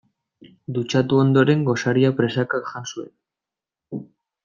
Dutxatu ondoren gosaria presaka jan zuen.